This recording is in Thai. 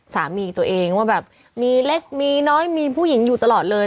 สามีตัวเองว่าแบบมีเล็กมีน้อยมีผู้หญิงอยู่ตลอดเลย